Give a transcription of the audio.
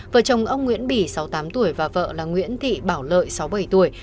vợ chồng ông nguyễn bỉ sáu mươi tám tuổi và vợ là nguyễn thị bảo lợi sáu mươi bảy tuổi